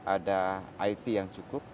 ada it yang cukup